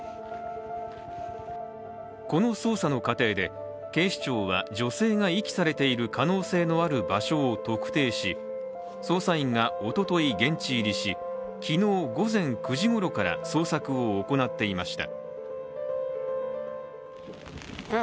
この捜査の過程で警視庁は女性が遺棄されている可能性のある場所を特定し、捜査員が、おととい現地入りし、昨日午前９時ごろから捜索を行っていました。